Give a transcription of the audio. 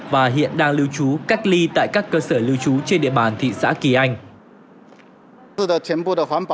và hiện đang lưu trú cách ly tại các cơ sở lưu trú trên địa bàn thị xã kỳ anh